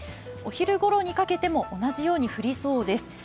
お昼ごろにかけても同じように降りそうです。